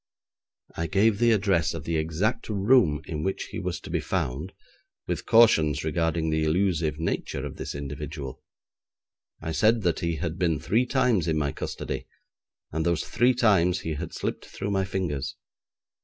I gave the address of the exact room in which he was to be found, with cautions regarding the elusive nature of this individual. I said that he had been three times in my custody, and those three times he had slipped through my fingers.